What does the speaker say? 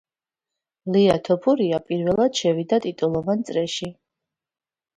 ლია თოფურია პირველად შევიდა ტიტულოვან წრეში